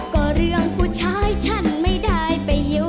ก็เรื่องผู้ชายฉันไม่ได้ไปอยู่